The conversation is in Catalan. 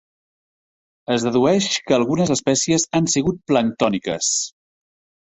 Es dedueix que algunes espècies han sigut planctòniques.